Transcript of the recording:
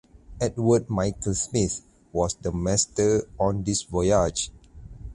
Edward Michael Smith was the master on this voyage.